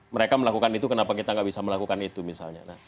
mereka melakukan itu kenapa kita nggak bisa melakukan itu misalnya